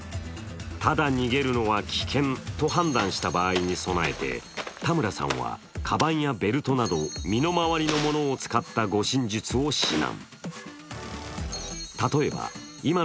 ただ逃げるのは危険と判断した場合に備えて、田村さんは、かばんやベルトなど身の回りのものを使った護身術を指南。